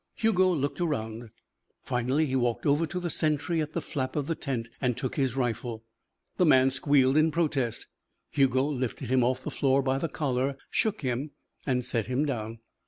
Hugo looked around. Finally he walked over to the sentry at the flap of the tent and took his rifle. The man squealed in protest. Hugo lifted him off the floor by the collar, shook him, and set him down.